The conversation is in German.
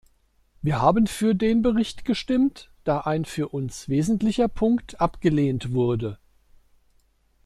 Wir haben für den Bericht gestimmt, da ein für uns wesentlicher Punkt abgelehnt wurde.